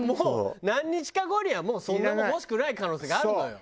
何日か後にはもうそんなもん欲しくない可能性があるのよ。